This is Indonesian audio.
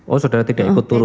oh saudara tidak ikut turun